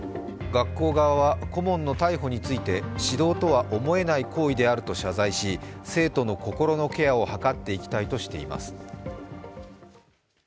学校側は顧問の逮捕について指導とは思えない行為であると謝罪し、生徒の心のケアを図っていきたいとしています。